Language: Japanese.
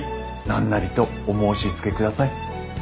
何なりとお申しつけください。